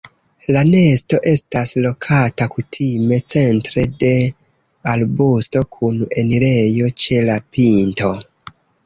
La nesto estas lokata kutime centre de arbusto kun enirejo ĉe la pinto.